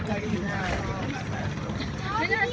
สีขาวเท่าไหร่